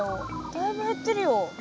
だいぶ減ってるよ。